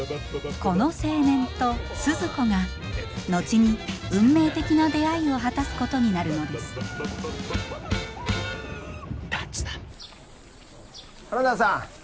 この青年とスズ子が後に運命的な出会いを果たすことになるのです花田さん